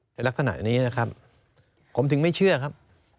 ในลักษณะนี้นะครับผมถึงไม่เชื่อครับ